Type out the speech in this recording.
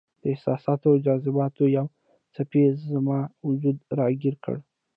د احساساتو او جذباتو یوې څپې زما وجود راګیر کړ.